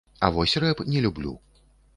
А вось рэп не люблю.